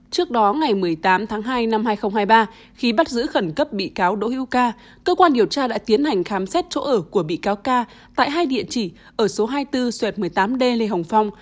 trước đó ngày một mươi tám tháng hai năm hai nghìn hai mươi ba khi bắt giữ khẩn cấp bị cáo đỗ hữu ca cơ quan điều tra đã tiến hành khám xét chỗ ở của bị cáo ca tại hai địa chỉ ở số hai mươi bốn xuệt một mươi tám d lê hồng phong